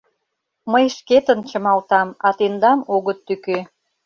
Мый шкетын чымалтам, а тендам огыт тӱкӧ.